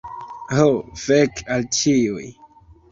Ho fek al ĉiuj.